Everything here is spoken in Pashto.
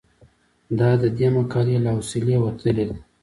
دا د دې مقالې له حوصلې وتلې ده.